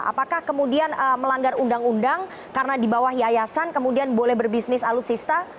apakah kemudian melanggar undang undang karena dibawah hiayasan kemudian boleh berbisnis alutsista